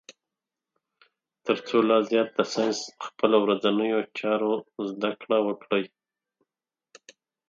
تر څو لا زیات د ساینس خپلو ورځنیو چارو زده کړه وکړي.